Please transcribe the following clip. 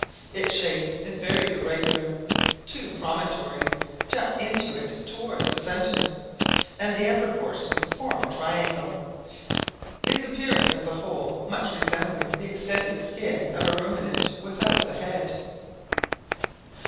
Its shape is very irregular : two promontories jut into it towards the centre, and the upper portion forms a triangle; its appearance, as a whole, much resembling the extended skin of a ruminant without the head.